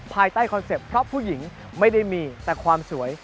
ภายใต้คอนเซ็ปต์เพราะผู้หญิงไม่ได้มีแต่ความสวย